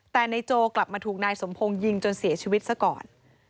แต่นายโจกลับมาถูกนายสมพงศ์ยิงจนเสียชีวิตซะก่อน